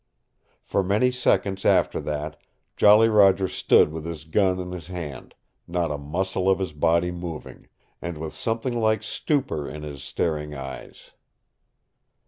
For many seconds after that Jolly Roger stood with his gun in his hand, not a muscle of his body moving, and with something like stupor in his staring eyes.